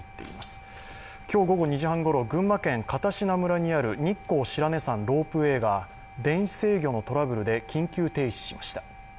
今日午後２時半頃群馬県片品村にある日光白根山ロープウェイが電子制御のトラブルで緊急停止しました。